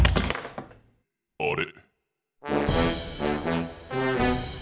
あれ？